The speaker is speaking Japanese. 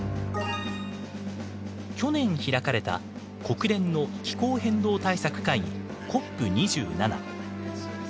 去年開かれた国連の気候変動対策会議ＣＯＰ２７。